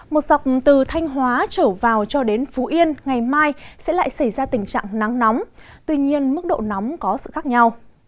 một dọc từ thanh hóa trở vào cho đến phú yên ngày mai sẽ lại xảy ra tình trạng nắng nóng tuy nhiên mức độ nóng có sự khác nhau